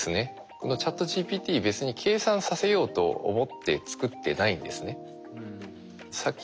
このＣｈａｔＧＰＴ別に計算させようと思って作ってないんですね。